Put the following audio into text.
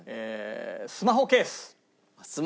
スマホケース。